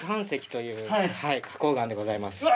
十勝の麦飯石という花こう岩でございます。